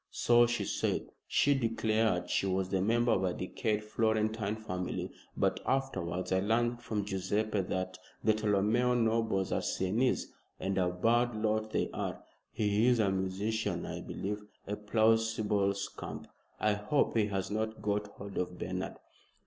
"So she said. She declared she was the member of a decayed Florentine family. But afterwards I learned from Guiseppe that the Tolomeo nobles are Sienese and a bad lot they are. He is a musician, I believe a plausible scamp. I hope he has not got hold of Bernard."